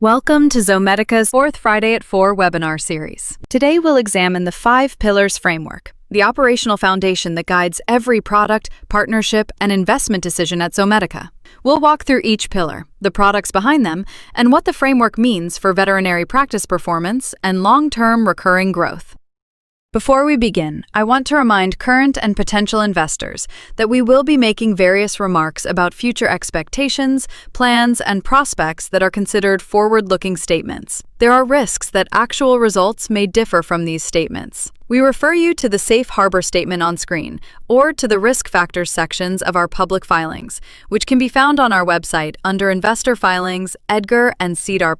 Welcome to Zomedica's Fourth Friday at Four webinar series. Today, we'll examine the Five Pillars framework, the operational foundation that guides every product, partnership, and investment decision at Zomedica. We'll walk through each pillar, the products behind them, and what the framework means for veterinary practice performance and long-term recurring growth. Before we begin, I want to remind current and potential investors that we will be making various remarks about future expectations, plans, and prospects that are considered forward-looking statements. There are risks that actual results may differ from these statements. We refer you to the safe harbor statement on screen or to the risk factors sections of our public filings, which can be found on our website under Investor Filings, EDGAR, and SEDAR+.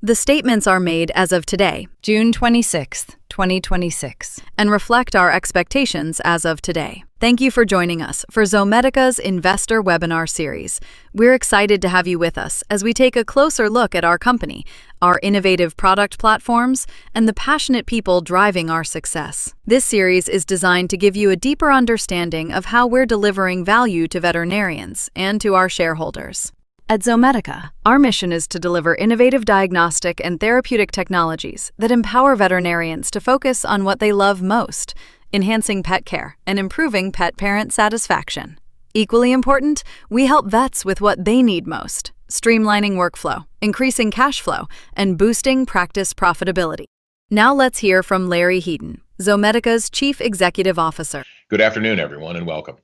The statements are made as of today, June 26th, 2026, and reflect our expectations as of today. Thank you for joining us for Zomedica's Investor webinar series. We're excited to have you with us as we take a closer look at our company, our innovative product platforms, and the passionate people driving our success. This series is designed to give you a deeper understanding of how we're delivering value to veterinarians and to our shareholders. At Zomedica, our mission is to deliver innovative diagnostic and therapeutic technologies that empower veterinarians to focus on what they love most, enhancing pet care and improving pet parent satisfaction. Equally important, we help vets with what they need most, streamlining workflow, increasing cash flow, and boosting practice profitability. Let's hear from Larry Heaton, Zomedica's Chief Executive Officer. Good afternoon, everyone, and welcome.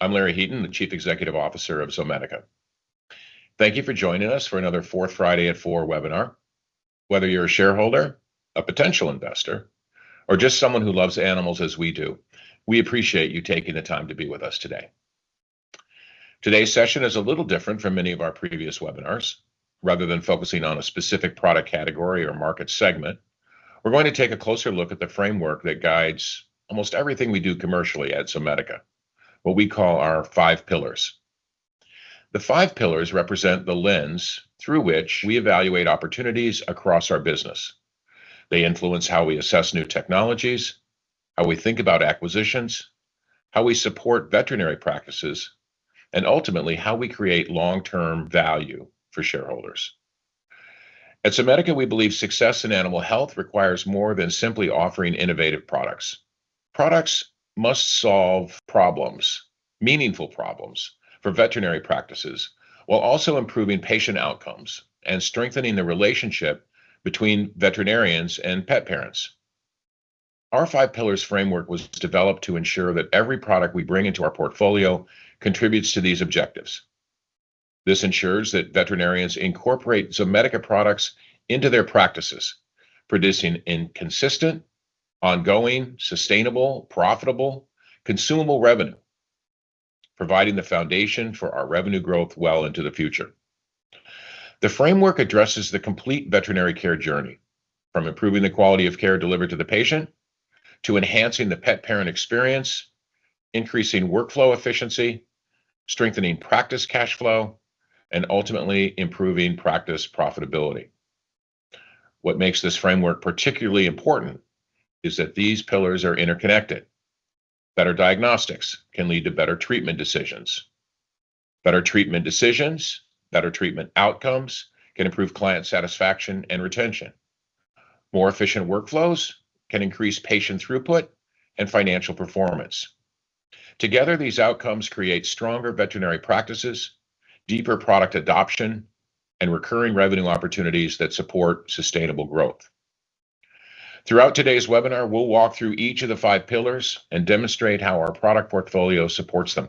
I'm Larry Heaton, the Chief Executive Officer of Zomedica. Thank you for joining us for another Fourth Friday at Four webinar. Whether you're a shareholder, a potential investor, or just someone who loves animals as we do, we appreciate you taking the time to be with us today. Today's session is a little different from many of our previous webinars. Rather than focusing on a specific product category or market segment, we're going to take a closer look at the framework that guides almost everything we do commercially at Zomedica, what we call our Five Pillars. The Five Pillars represent the lens through which we evaluate opportunities across our business. They influence how we assess new technologies, how we think about acquisitions, how we support veterinary practices, and ultimately how we create long-term value for shareholders. At Zomedica, we believe success in animal health requires more than simply offering innovative products. Products must solve problems, meaningful problems, for veterinary practices, while also improving patient outcomes and strengthening the relationship between veterinarians and pet parents. Our Five Pillars framework was developed to ensure that every product we bring into our portfolio contributes to these objectives. This ensures that veterinarians incorporate Zomedica products into their practices, producing inconsistent, ongoing, sustainable, profitable, consumable revenue, providing the foundation for our revenue growth well into the future. The framework addresses the complete veterinary care journey, from improving the quality of care delivered to the patient, to enhancing the pet parent experience, increasing workflow efficiency, strengthening practice cash flow, and ultimately improving practice profitability. What makes this framework particularly important is that these pillars are interconnected. Better diagnostics can lead to better treatment decisions. Better treatment decisions, better treatment outcomes can improve client satisfaction and retention. More efficient workflows can increase patient throughput and financial performance. Together, these outcomes create stronger veterinary practices, deeper product adoption, and recurring revenue opportunities that support sustainable growth. Throughout today's webinar, we'll walk through each of the Five Pillars and demonstrate how our product portfolio supports them.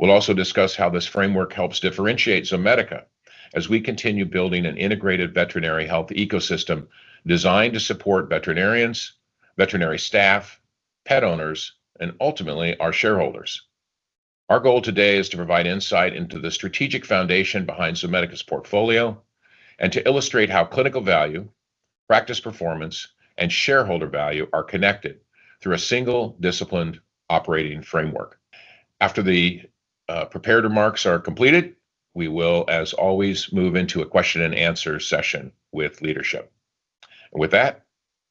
We'll also discuss how this framework helps differentiate Zomedica as we continue building an integrated veterinary health ecosystem designed to support veterinarians, veterinary staff, pet owners, and ultimately our shareholders. Our goal today is to provide insight into the strategic foundation behind Zomedica's portfolio and to illustrate how clinical value, practice performance, and shareholder value are connected through a single disciplined operating framework. After the prepared remarks are completed, we will, as always, move into a question and answer session with leadership. With that,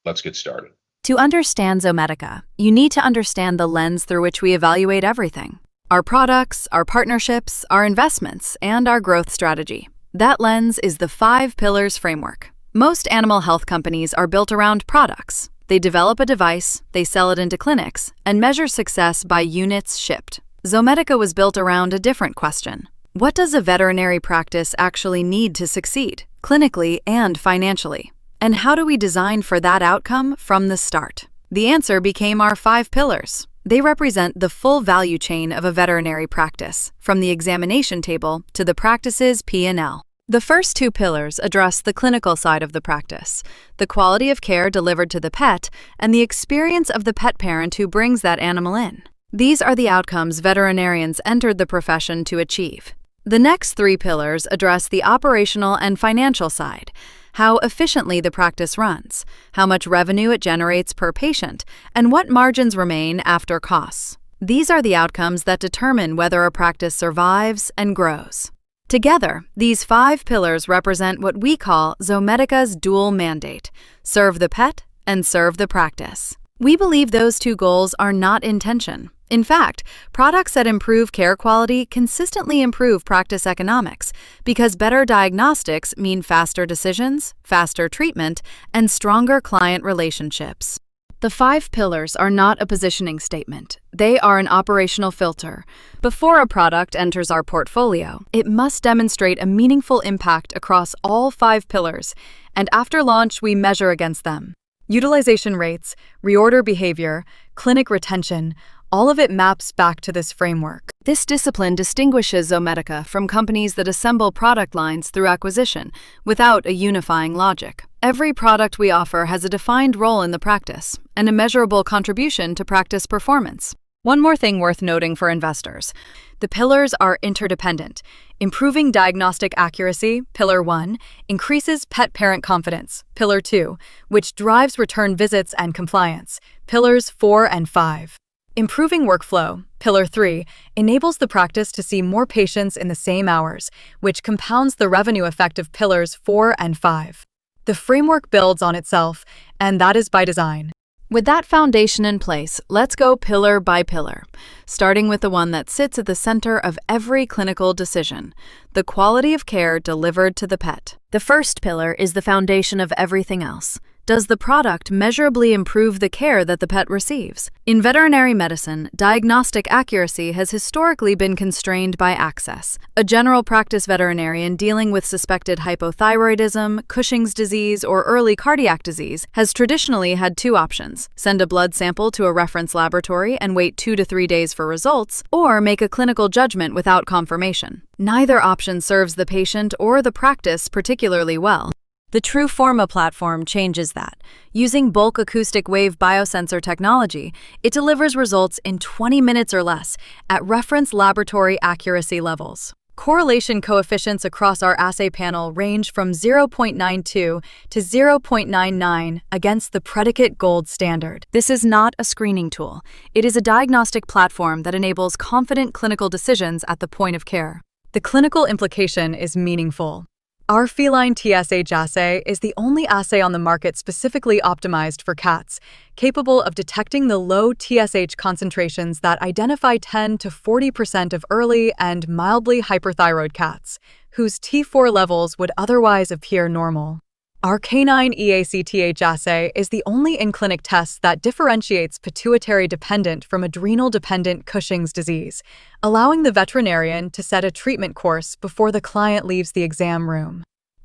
let's get started. To understand Zomedica, you need to understand the lens through which we evaluate everything: our products, our partnerships, our investments, and our growth strategy. That lens is the Five Pillars framework. Most animal health companies are built around products. They develop a device. They sell it into clinics and measure success by units shipped. Zomedica was built around a different question. What does a veterinary practice actually need to succeed clinically and financially? How do we design for that outcome from the start? The answer became our Five Pillars. They represent the full value chain of a veterinary practice, from the examination table to the practice's P&L. The first two pillars address the clinical side of the practice, the quality of care delivered to the pet, and the experience of the pet parent who brings that animal in. These are the outcomes veterinarians entered the profession to achieve. The next three pillars address the operational and financial side, how efficiently the practice runs, how much revenue it generates per patient, and what margins remain after costs. These are the outcomes that determine whether a practice survives and grows. Together, these five pillars represent what we call Zomedica's dual mandate, serve the pet and serve the practice. We believe those two goals are not in tension. In fact, products that improve care quality consistently improve practice economics because better diagnostics mean faster decisions, faster treatment, and stronger client relationships. The five pillars are not a positioning statement. They are an operational filter. Before a product enters our portfolio, it must demonstrate a meaningful impact across all five pillars, and after launch, we measure against them. Utilization rates, reorder behavior, clinic retention, all of it maps back to this framework. This discipline distinguishes Zomedica from companies that assemble product lines through acquisition without a unifying logic. Every product we offer has a defined role in the practice and a measurable contribution to practice performance. One more thing worth noting for investors, the pillars are interdependent. Improving diagnostic accuracy, pillar one, increases pet parent confidence, pillar two, which drives return visits and compliance, pillars four and five. Improving workflow, pillar three, enables the practice to see more patients in the same hours, which compounds the revenue effect of pillars four and five. The framework builds on itself. That is by design. With that foundation in place, let's go pillar by pillar, starting with the one that sits at the center of every clinical decision, the quality of care delivered to the pet. The first pillar is the foundation of everything else. Does the product measurably improve the care that the pet receives? In veterinary medicine, diagnostic accuracy has historically been constrained by access. A general practice veterinarian dealing with suspected hypothyroidism, Cushing's disease, or early cardiac disease has traditionally had two options: send a blood sample to a reference laboratory and wait two to three days for results, or make a clinical judgment without confirmation. Neither option serves the patient or the practice particularly well. The TRUFORMA platform changes that. Using bulk acoustic wave biosensor technology, it delivers results in 20 minutes or less at reference laboratory accuracy levels. Correlation coefficients across our assay panel range from 0.92 to 0.99 against the predicate gold standard. This is not a screening tool. It is a diagnostic platform that enables confident clinical decisions at the point of care. The clinical implication is meaningful. Our feline TSH assay is the only assay on the market specifically optimized for cats, capable of detecting the low TSH concentrations that identify 10%-40% of early and mildly hyperthyroid cats whose T4 levels would otherwise appear normal. Our canine ACTH assay is the only in-clinic test that differentiates pituitary-dependent from adrenal-dependent Cushing's disease, allowing the veterinarian to set a treatment course before the client leaves the exam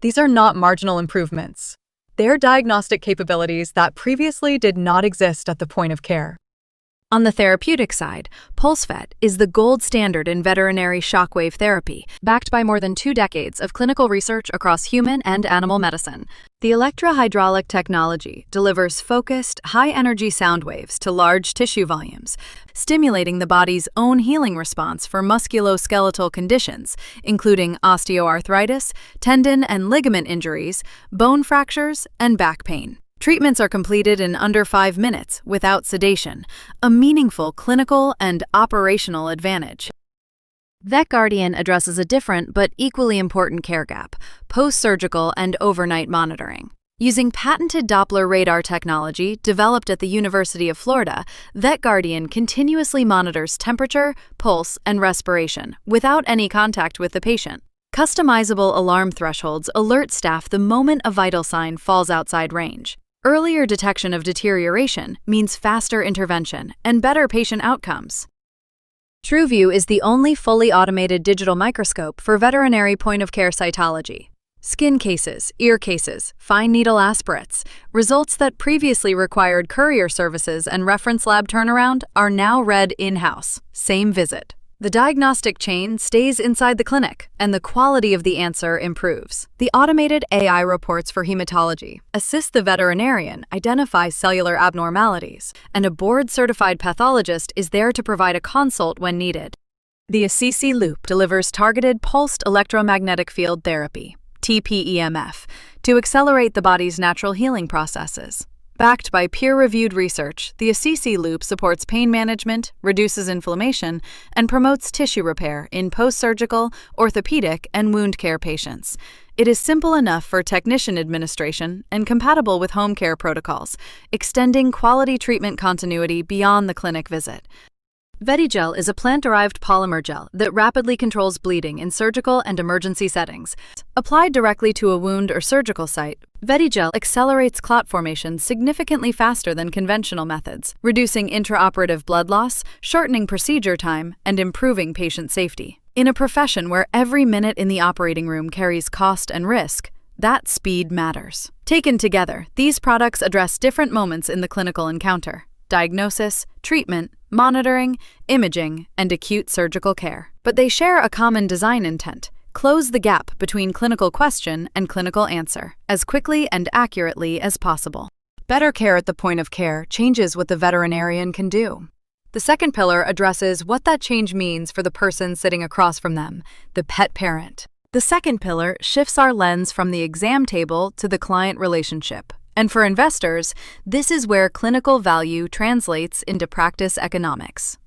room. These are not marginal improvements. They are diagnostic capabilities that previously did not exist at the point of care. On the therapeutic side, PulseVet is the gold standard in veterinary shockwave therapy, backed by more than two decades of clinical research across human and animal medicine. The electrohydraulic technology delivers focused, high-energy sound waves to large tissue volumes, stimulating the body's own healing response for musculoskeletal conditions, including osteoarthritis, tendon and ligament injuries, bone fractures, and back pain. Treatments are completed in under five minutes without sedation, a meaningful clinical and operational advantage. VETGuardian addresses a different but equally important care gap, post-surgical and overnight monitoring. Using patented Doppler radar technology developed at the University of Florida, VETGuardian continuously monitors temperature, pulse, and respiration without any contact with the patient. Customizable alarm thresholds alert staff the moment a vital sign falls outside range. Earlier detection of deterioration means faster intervention and better patient outcomes. TRUVIEW is the only fully automated digital microscope for veterinary point-of-care cytology. Skin cases, ear cases, fine needle aspirates, results that previously required courier services and reference lab turnaround are now read in-house, same visit. The diagnostic chain stays inside the clinic, and the quality of the answer improves. The automated AI reports for hematology assist the veterinarian identify cellular abnormalities, and a board-certified pathologist is there to provide a consult when needed. The Assisi LOOP delivers targeted pulsed electromagnetic field therapy, TPEMF, to accelerate the body's natural healing processes. Backed by peer-reviewed research, the Assisi LOOP supports pain management, reduces inflammation, and promotes tissue repair in post-surgical, orthopedic, and wound care patients. It is simple enough for technician administration and compatible with home care protocols, extending quality treatment continuity beyond the clinic visit. VETIGEL is a plant-derived polymer gel that rapidly controls bleeding in surgical and emergency settings. Applied directly to a wound or surgical site, VETIGEL accelerates clot formation significantly faster than conventional methods, reducing intraoperative blood loss, shortening procedure time, and improving patient safety. In a profession where every minute in the operating room carries cost and risk, that speed matters. Taken together, these products address different moments in the clinical encounter: diagnosis, treatment, monitoring, imaging, and acute surgical care. They share a common design intent, close the gap between clinical question and clinical answer as quickly and accurately as possible. Better care at the point of care changes what the veterinarian can do. The second pillar addresses what that change means for the person sitting across from them, the pet parent. The second pillar shifts our lens from the exam table to the client relationship, and for investors, this is where clinical value translates into practice economics.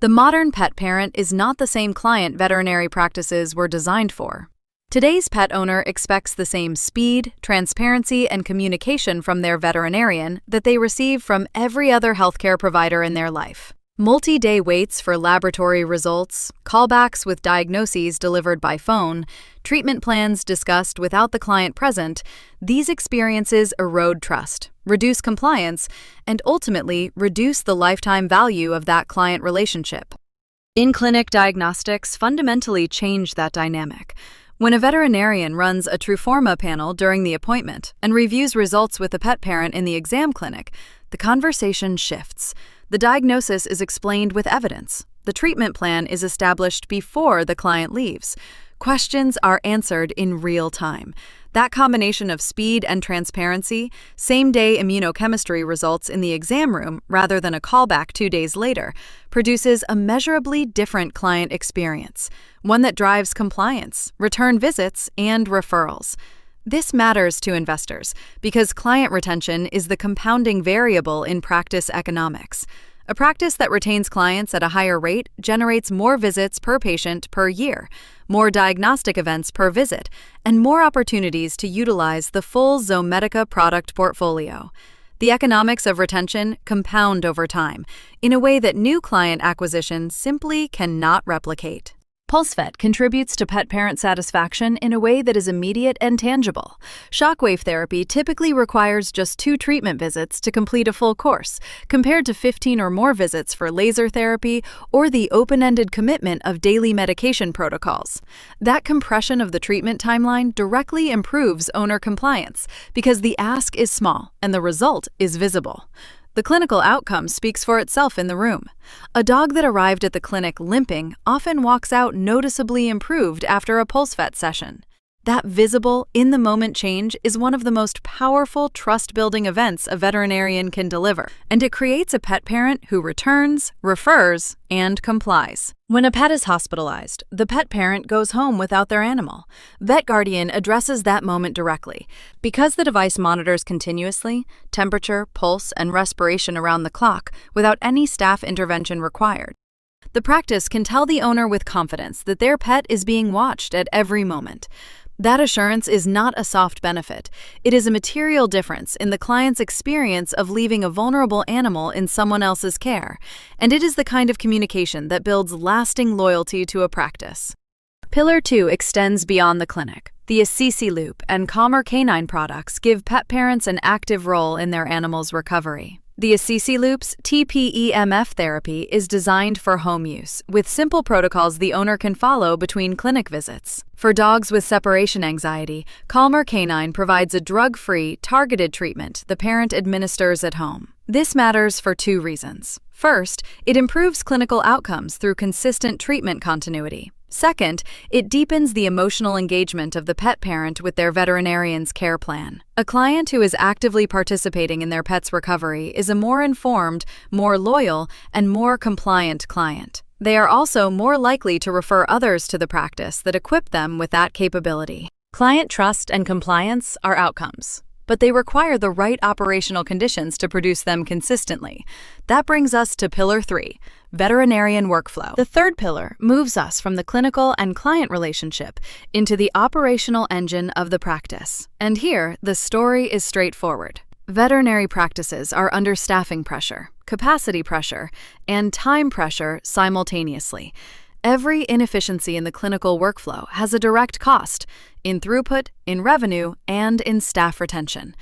The modern pet owner is not the same client veterinary practices were designed for. Today's pet owner expects the same speed, transparency, and communication from their veterinarian that they receive from every other healthcare provider in their life. Multi-day waits for laboratory results, callbacks with diagnoses delivered by phone, treatment plans discussed without the client present, these experiences erode trust, reduce compliance, and ultimately reduce the lifetime value of that client relationship. In-clinic diagnostics fundamentally change that dynamic. When a veterinarian runs a TRUFORMA panel during the appointment and reviews results with a pet parent in the exam clinic, the conversation shifts. The diagnosis is explained with evidence. The treatment plan is established before the client leaves. Questions are answered in real time. That combination of speed and transparency, same-day immunochemistry results in the exam room rather than a callback two days later, produces a measurably different client experience, one that drives compliance, return visits, and referrals. This matters to investors because client retention is the compounding variable in practice economics. A practice that retains clients at a higher rate generates more visits per patient per year, more diagnostic events per visit, and more opportunities to utilize the full Zomedica product portfolio. The economics of retention compound over time in a way that new client acquisition simply cannot replicate. PulseVet contributes to pet parent satisfaction in a way that is immediate and tangible. Shockwave therapy typically requires just two treatment visits to complete a full course, compared to 15 or more visits for laser therapy or the open-ended commitment of daily medication protocols. That compression of the treatment timeline directly improves owner compliance because the ask is small and the result is visible. The clinical outcome speaks for itself in the room. A dog that arrived at the clinic limping often walks out noticeably improved after a PulseVet session. That visible, in-the-moment change is one of the most powerful trust-building events a veterinarian can deliver, and it creates a pet parent who returns, refers, and complies. When a pet is hospitalized, the pet parent goes home without their animal. VETGuardian addresses that moment directly. Because the device monitors continuously temperature, pulse, and respiration around the clock without any staff intervention required, the practice can tell the owner with confidence that their pet is being watched at every moment. That assurance is not a soft benefit. It is a material difference in the client's experience of leaving a vulnerable animal in someone else's care, and it is the kind of communication that builds lasting loyalty to a practice. Pillar two extends beyond the clinic. The Assisi LOOP and Calmer Canine products give pet parents an active role in their animal's recovery. The Assisi LOOP's TPEMF therapy is designed for home use with simple protocols the owner can follow between clinic visits. For dogs with separation anxiety, Calmer Canine provides a drug-free, targeted treatment the parent administers at home. This matters for two reasons. First, it improves clinical outcomes through consistent treatment continuity. Second, it deepens the emotional engagement of the pet parent with their veterinarian's care plan. A client who is actively participating in their pet's recovery is a more informed, more loyal, and more compliant client. They are also more likely to refer others to the practice that equip them with that capability. Client trust and compliance are outcomes, but they require the right operational conditions to produce them consistently. That brings us to pillar three: veterinarian workflow. The third pillar moves us from the clinical and client relationship into the operational engine of the practice. Here, the story is straightforward. Veterinary practices are under staffing pressure, capacity pressure, and time pressure simultaneously. Every inefficiency in the clinical workflow has a direct cost in throughput, in revenue, and in staff retention.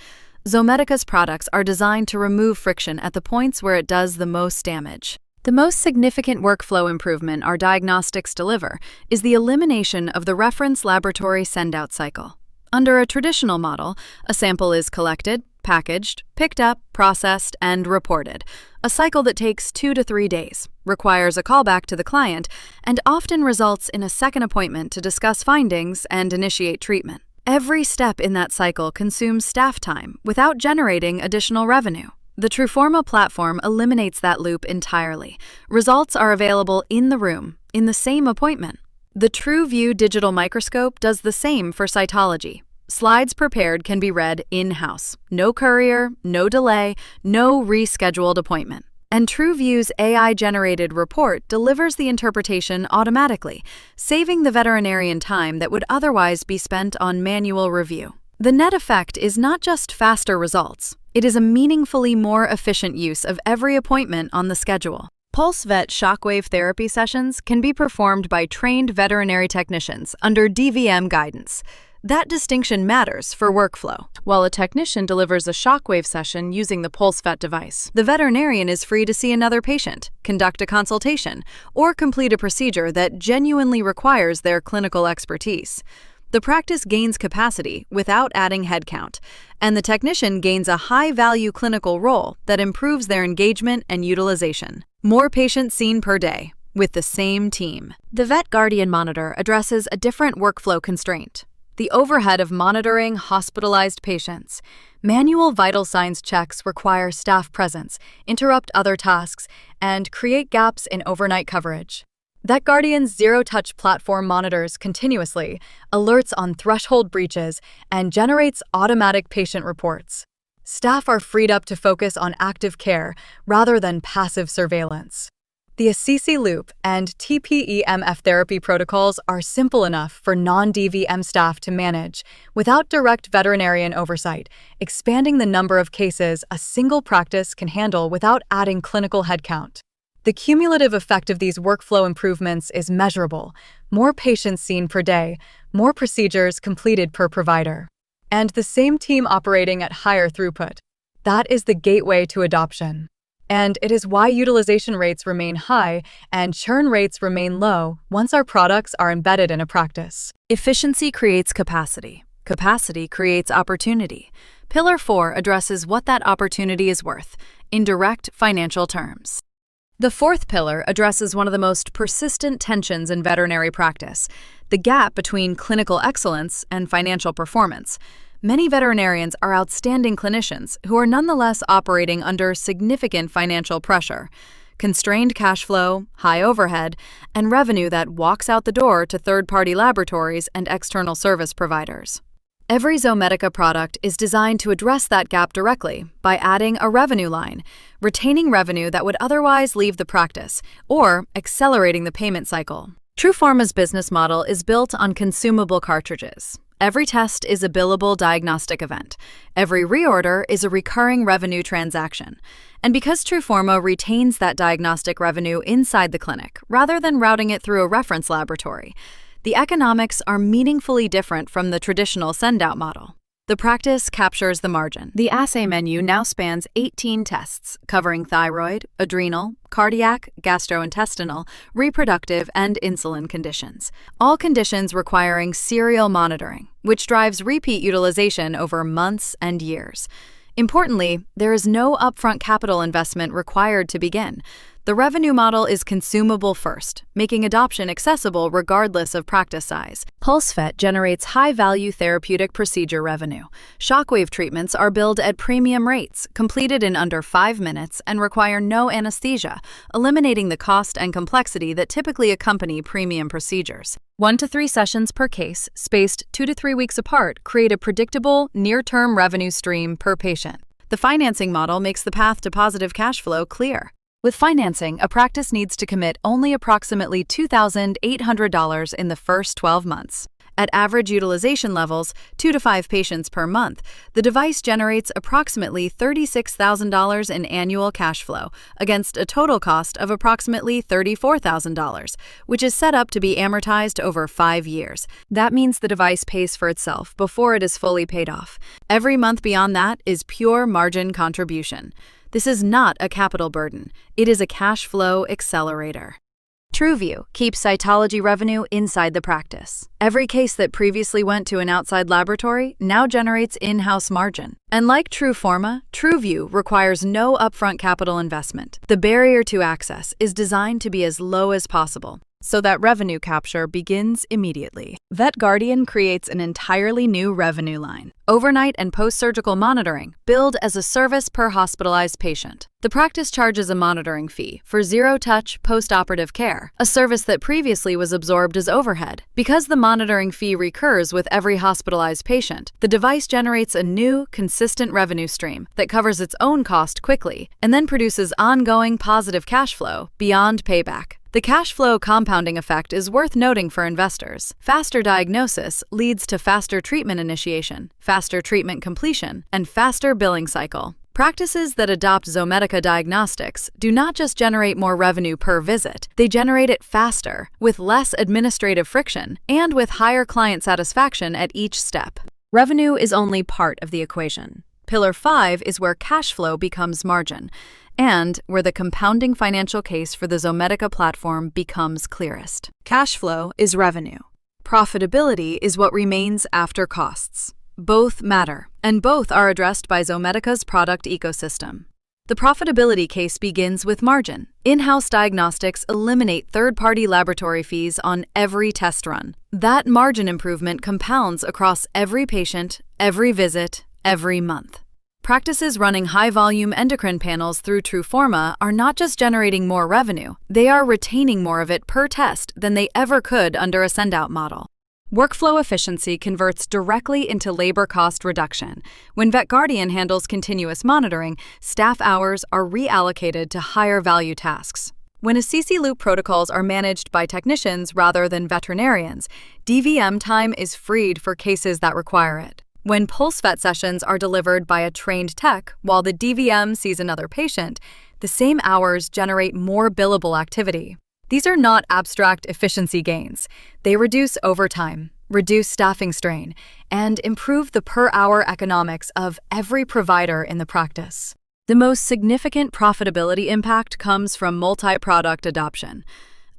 Zomedica's products are designed to remove friction at the points where it does the most damage. The most significant workflow improvement our diagnostics deliver is the elimination of the reference laboratory send-out cycle. Under a traditional model, a sample is collected, packaged, picked up, processed, and reported, a cycle that takes two to three days, requires a callback to the client, and often results in a second appointment to discuss findings and initiate treatment. Every step in that cycle consumes staff time without generating additional revenue. The TRUFORMA platform eliminates that loop entirely. Results are available in the room in the same appointment. The TRUVIEW digital microscope does the same for cytology. Slides prepared can be read in-house. No courier, no delay, no rescheduled appointment. TRUVIEW's AI-generated report delivers the interpretation automatically, saving the veterinarian time that would otherwise be spent on manual review. The net effect is not just faster results, it is a meaningfully more efficient use of every appointment on the schedule. PulseVet shockwave therapy sessions can be performed by trained veterinary technicians under DVM guidance. That distinction matters for workflow. While a technician delivers a shockwave session using the PulseVet device, the veterinarian is free to see another patient, conduct a consultation, or complete a procedure that genuinely requires their clinical expertise. The practice gains capacity without adding headcount. The technician gains a high-value clinical role that improves their engagement and utilization. More patients seen per day with the same team. The VETGuardian monitor addresses a different workflow constraint, the overhead of monitoring hospitalized patients. Manual vital signs checks require staff presence, interrupt other tasks, and create gaps in overnight coverage. VETGuardian's zero-touch platform monitors continuously, alerts on threshold breaches, and generates automatic patient reports. Staff are freed up to focus on active care rather than passive surveillance. The Assisi LOOP and TPEMF therapy protocols are simple enough for non-DVM staff to manage without direct veterinarian oversight, expanding the number of cases a single practice can handle without adding clinical headcount. The cumulative effect of these workflow improvements is measurable. More patients seen per day, more procedures completed per provider, and the same team operating at higher throughput. That is the gateway to adoption. It is why utilization rates remain high and churn rates remain low once our products are embedded in a practice. Efficiency creates capacity. Capacity creates opportunity. Pillar four addresses what that opportunity is worth in direct financial terms. The fourth pillar addresses one of the most persistent tensions in veterinary practice: the gap between clinical excellence and financial performance. Many veterinarians are outstanding clinicians who are nonetheless operating under significant financial pressure, constrained cash flow, high overhead, and revenue that walks out the door to third-party laboratories and external service providers. Every Zomedica product is designed to address that gap directly by adding a revenue line, retaining revenue that would otherwise leave the practice, or accelerating the payment cycle. TRUFORMA's business model is built on consumable cartridges. Every test is a billable diagnostic event. Every reorder is a recurring revenue transaction. Because TRUFORMA retains that diagnostic revenue inside the clinic rather than routing it through a reference laboratory, the economics are meaningfully different from the traditional send-out model. The practice captures the margin. The assay menu now spans 18 tests covering thyroid, adrenal, cardiac, gastrointestinal, reproductive, and insulin conditions, all conditions requiring serial monitoring, which drives repeat utilization over months and years. Importantly, there is no upfront capital investment required to begin. The revenue model is consumable first, making adoption accessible regardless of practice size. PulseVet generates high-value therapeutic procedure revenue. Shockwave treatments are billed at premium rates, completed in under five minutes, and require no anesthesia, eliminating the cost and complexity that typically accompany premium procedures. One to three sessions per case, spaced two to three weeks apart, create a predictable near-term revenue stream per patient. The financing model makes the path to positive cash flow clear. With financing, a practice needs to commit only approximately $2,800 in the first 12 months. At average utilization levels, two to five patients per month, the device generates approximately $36,000 in annual cash flow against a total cost of approximately $34,000, which is set up to be amortized over five years. That means the device pays for itself before it is fully paid off. Every month beyond that is pure margin contribution. This is not a capital burden. It is a cash flow accelerator. TRUVIEW keeps cytology revenue inside the practice. Every case that previously went to an outside laboratory now generates in-house margin. Like TRUFORMA, TRUVIEW requires no upfront capital investment. The barrier to access is designed to be as low as possible, so that revenue capture begins immediately. VETGuardian creates an entirely new revenue line: overnight and post-surgical monitoring billed as a service per hospitalized patient. The practice charges a monitoring fee for zero-touch postoperative care, a service that previously was absorbed as overhead. Because the monitoring fee recurs with every hospitalized patient, the device generates a new, consistent revenue stream that covers its own cost quickly and then produces ongoing positive cash flow beyond payback. The cash flow compounding effect is worth noting for investors. Faster diagnosis leads to faster treatment initiation, faster treatment completion, and faster billing cycle. Practices that adopt Zomedica diagnostics do not just generate more revenue per visit. They generate it faster, with less administrative friction, and with higher client satisfaction at each step. Revenue is only part of the equation. Pillar five is where cash flow becomes margin and where the compounding financial case for the Zomedica platform becomes clearest. Cash flow is revenue. Profitability is what remains after costs. Both matter, and both are addressed by Zomedica's product ecosystem. The profitability case begins with margin. In-house diagnostics eliminate third-party laboratory fees on every test run. That margin improvement compounds across every patient, every visit, every month. Practices running high-volume endocrine panels through TRUFORMA are not just generating more revenue, they are retaining more of it per test than they ever could under a send-out model. Workflow efficiency converts directly into labor cost reduction. When VETGuardian handles continuous monitoring, staff hours are reallocated to higher-value tasks. When Assisi LOOP protocols are managed by technicians rather than veterinarians, DVM time is freed for cases that require it. When PulseVet sessions are delivered by a trained tech while the DVM sees another patient, the same hours generate more billable activity. These are not abstract efficiency gains. They reduce overtime, reduce staffing strain, and improve the per-hour economics of every provider in the practice. The most significant profitability impact comes from multi-product adoption.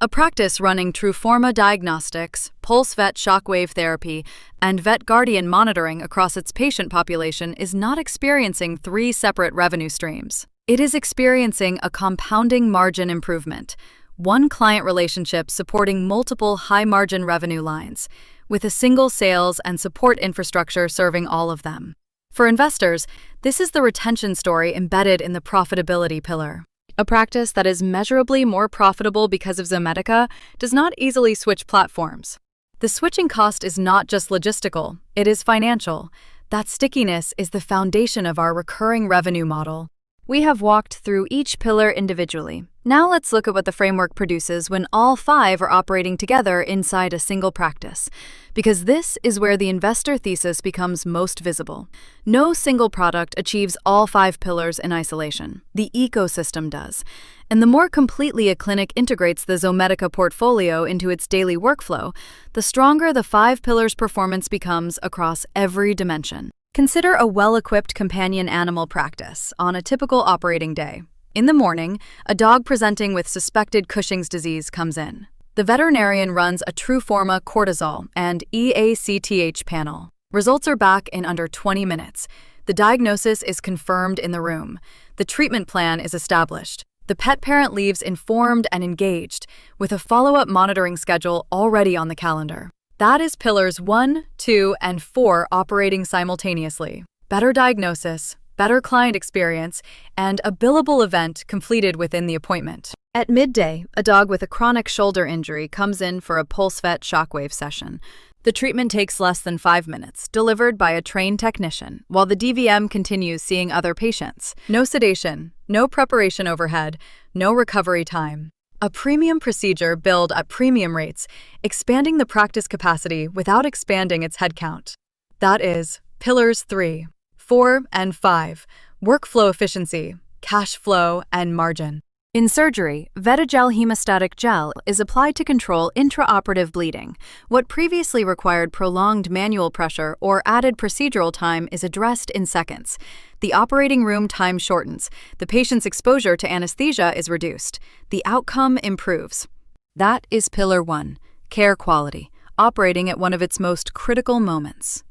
A practice running TRUFORMA diagnostics, PulseVet shockwave therapy, and VETGuardian monitoring across its patient population is not experiencing three separate revenue streams. It is experiencing a compounding margin improvement. One client relationship supporting multiple high-margin revenue lines with a single sales and support infrastructure serving all of them. For investors, this is the retention story embedded in the profitability pillar. A practice that is measurably more profitable because of Zomedica does not easily switch platforms. The switching cost is not just logistical, it is financial. That stickiness is the foundation of our recurring revenue model. We have walked through each pillar individually. Now let's look at what the framework produces when all Five Pillars are operating together inside a single practice, because this is where the investor thesis becomes most visible. No single product achieves all Five Pillars in isolation. The ecosystem does. The more completely a clinic integrates the Zomedica portfolio into its daily workflow, the stronger the Five Pillars performance becomes across every dimension. Consider a well-equipped companion animal practice on a typical operating day. In the morning, a dog presenting with suspected Cushing's disease comes in. The veterinarian runs a TRUFORMA Cortisol and eACTH panel. Results are back in under 20 minutes. The diagnosis is confirmed in the room. The treatment plan is established. The pet parent leaves informed and engaged with a follow-up monitoring schedule already on the calendar. That is pillars one, two and four operating simultaneously. Better diagnosis, better client experience, and a billable event completed within the appointment. At midday, a dog with a chronic shoulder injury comes in for a PulseVet shockwave session. The treatment takes less than five minutes, delivered by a trained technician while the DVM continues seeing other patients. No sedation, no preparation overhead, no recovery time. A premium procedure billed at premium rates, expanding the practice capacity without expanding its headcount. That is pillars three, four and five: workflow efficiency, cash flow, and margin. In surgery, VETIGEL hemostatic gel is applied to control intraoperative bleeding. What previously required prolonged manual pressure or added procedural time is addressed in seconds. The operating room time shortens. The patient's exposure to anesthesia is reduced. The outcome improves. That is pillar one, care quality, operating at one of its most critical moments.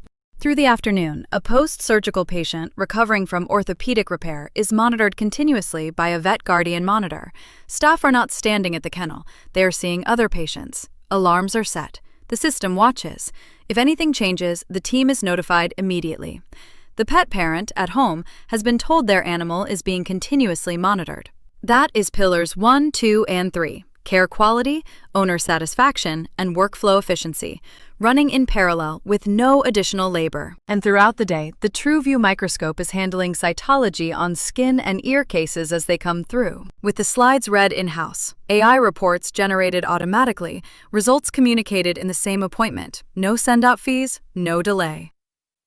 Through the afternoon, a postsurgical patient recovering from orthopedic repair is monitored continuously by a VETGuardian monitor. Staff are not standing at the kennel. They are seeing other patients. Alarms are set. The system watches. If anything changes, the team is notified immediately. The pet parent at home has been told their animal is being continuously monitored. That is pillars one, two, and three: care quality, owner satisfaction, and workflow efficiency running in parallel with no additional labor. Throughout the day, the TRUVIEW microscope is handling cytology on skin and ear cases as they come through. With the slides read in-house, AI reports generated automatically, results communicated in the same appointment. No send-out fees, no delay.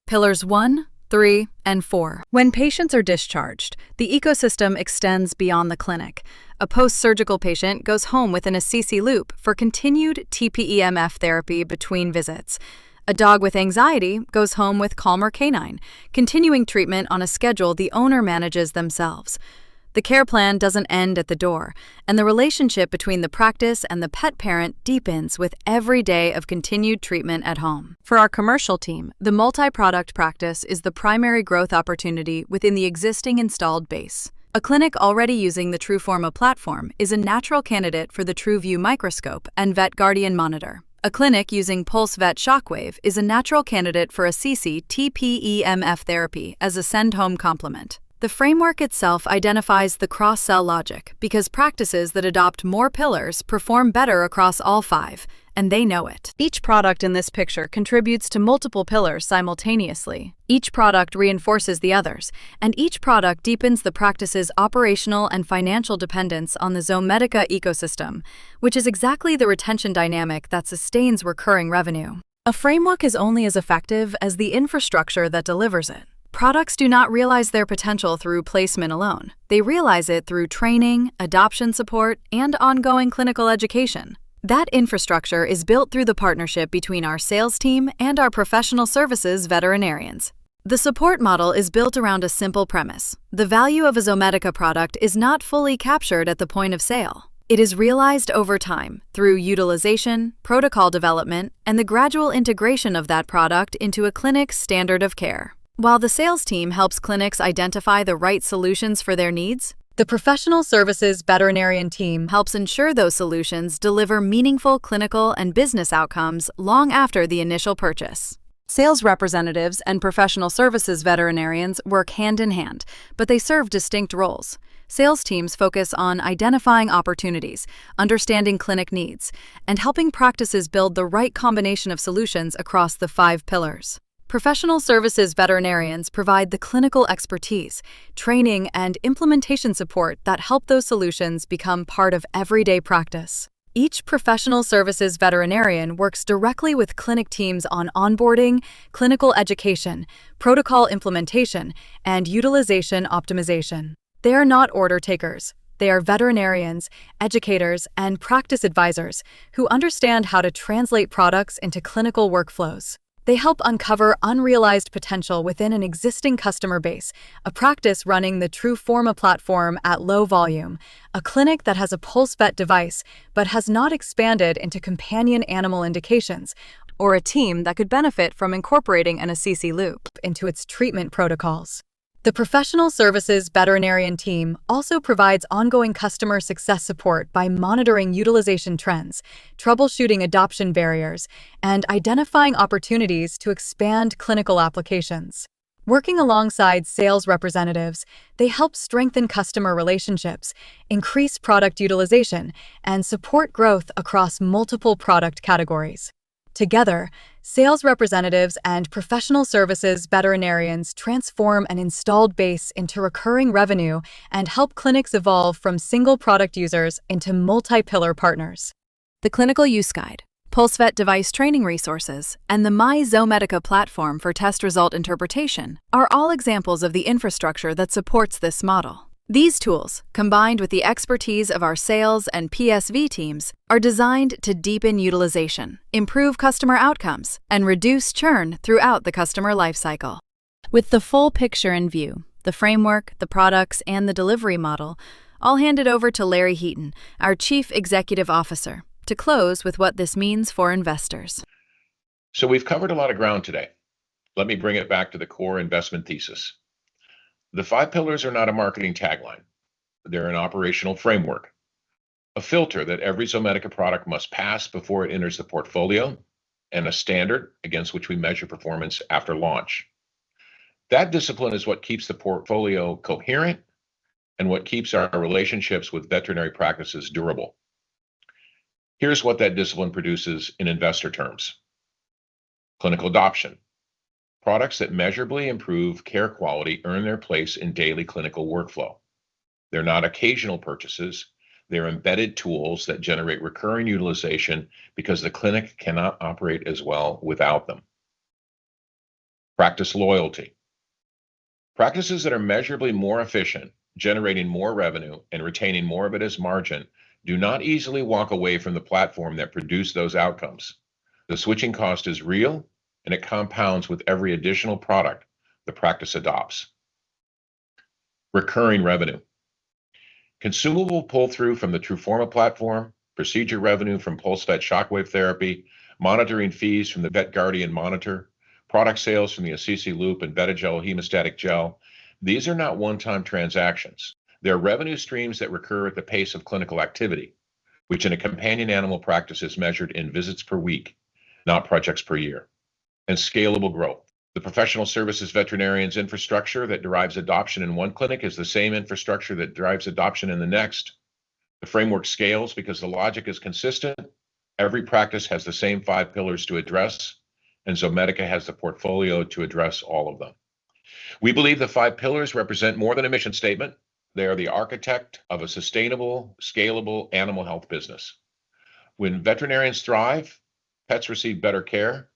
Pillars one, three, and four. When patients are discharged, the ecosystem extends beyond the clinic. A postsurgical patient goes home with an Assisi LOOP for continued tPEMF therapy between visits. A dog with anxiety goes home with Calmer Canine, continuing treatment on a schedule the owner manages themselves. The care plan doesn't end at the door, the relationship between the practice and the pet parent deepens with every day of continued treatment at home. For our commercial team, the multiproduct practice is the primary growth opportunity within the existing installed base. A clinic already using the TRUFORMA platform is a natural candidate for the TRUVIEW microscope and VETGuardian monitor. A clinic using PulseVet shockwave is a natural candidate for Assisi tPEMF therapy as a send-home complement. The framework itself identifies the cross-sell logic because practices that adopt more pillars perform better across all five, they know it. Each product in this picture contributes to multiple pillars simultaneously. Each product reinforces the others, each product deepens the practice's operational and financial dependence on the Zomedica ecosystem, which is exactly the retention dynamic that sustains recurring revenue. A framework is only as effective as the infrastructure that delivers it. Products do not realize their potential through placement alone. They realize it through training, adoption support, and ongoing clinical education. That infrastructure is built through the partnership between our sales team and our professional services veterinarians. The support model is built around a simple premise. The value of a Zomedica product is not fully captured at the point of sale. It is realized over time through utilization, protocol development, and the gradual integration of that product into a clinic's standard of care. While the sales team helps clinics identify the right solutions for their needs, the professional services veterinarian team helps ensure those solutions deliver meaningful clinical and business outcomes long after the initial purchase. Sales representatives and professional services veterinarians work hand in hand, they serve distinct roles. Sales teams focus on identifying opportunities, understanding clinic needs, and helping practices build the right combination of solutions across the five pillars. Professional services veterinarians provide the clinical expertise, training, and implementation support that help those solutions become part of everyday practice. Each professional services veterinarian works directly with clinic teams on onboarding, clinical education, protocol implementation, and utilization optimization. They are not order takers. They are veterinarians, educators, and practice advisors who understand how to translate products into clinical workflows. They help uncover unrealized potential within an existing customer base, a practice running the TRUFORMA platform at low volume, a clinic that has a PulseVet device but has not expanded into companion animal indications, or a team that could benefit from incorporating an Assisi LOOP into its treatment protocols. The professional services veterinarian team also provides ongoing customer success support by monitoring utilization trends, troubleshooting adoption barriers, and identifying opportunities to expand clinical applications. Working alongside sales representatives, they help strengthen customer relationships, increase product utilization, and support growth across multiple product categories. Together, sales representatives and professional services veterinarians transform an installed base into recurring revenue and help clinics evolve from single-product users into multi-pillar partners. The clinical use guide, PulseVet device training resources, and the My Zomedica platform for test result interpretation are all examples of the infrastructure that supports this model. These tools, combined with the expertise of our sales and PSV teams, are designed to deepen utilization, improve customer outcomes, and reduce churn throughout the customer lifecycle. With the full picture in view, the framework, the products, and the delivery model, I'll hand it over to Larry Heaton, our Chief Executive Officer, to close with what this means for investors. We've covered a lot of ground today. Let me bring it back to the core investment thesis. The Five Pillars are not a marketing tagline. They're an operational framework, a filter that every Zomedica product must pass before it enters the portfolio, and a standard against which we measure performance after launch. That discipline is what keeps the portfolio coherent and what keeps our relationships with veterinary practices durable. Here's what that discipline produces in investor terms. Clinical adoption. Products that measurably improve care quality earn their place in daily clinical workflow. They're not occasional purchases. They're embedded tools that generate recurring utilization because the clinic cannot operate as well without them. Practice loyalty. Practices that are measurably more efficient, generating more revenue and retaining more of it as margin, do not easily walk away from the platform that produced those outcomes. The switching cost is real, and it compounds with every additional product the practice adopts. Recurring revenue. Consumable pull-through from the TRUFORMA platform, procedure revenue from PulseVet shockwave therapy, monitoring fees from the VETGuardian monitor, product sales from the Assisi LOOP and VETIGEL hemostatic gel. These are not one-time transactions. They're revenue streams that recur at the pace of clinical activity, which in a companion animal practice is measured in visits per week, not projects per year. Scalable growth. The professional services veterinarian's infrastructure that drives adoption in one clinic is the same infrastructure that drives adoption in the next. The framework scales because the logic is consistent. Every practice has the same Five Pillars to address, and Zomedica has the portfolio to address all of them. We believe the Five Pillars represent more than a mission statement. They are the architect of a sustainable, scalable animal health business. When veterinarians thrive, pets receive better care,